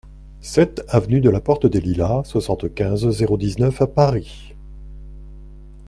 sept aV DE LA PORTE DES LILAS, soixante-quinze, zéro dix-neuf à Paris